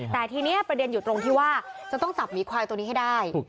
แต่ทีนี้ประเด็นอยู่ตรงที่ว่าจะต้องจับหมีควายตัวนี้ให้ได้